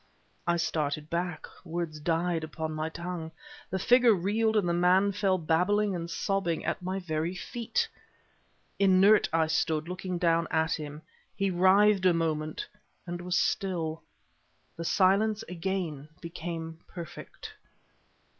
I started back; words died upon my tongue. The figure reeled and the man fell babbling and sobbing at my very feet. Inert I stood, looking down at him. He writhed a moment and was still. The silence again became perfect.